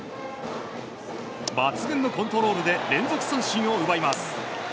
抜群のコントロールで連続三振を奪います。